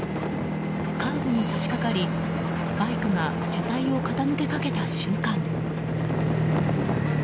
カーブに差し掛かりバイクが車体を傾けかけた瞬間